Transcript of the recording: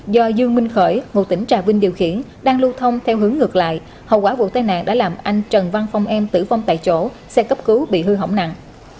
do dương minh khởi ngụ tỉnh trà vinh điều khiển đang lưu thông theo hướng ngược lại hậu quả vụ tai nạn đã làm anh trần văn phong em tử vong tại chỗ xe cấp cứu bị hư hỏng nặng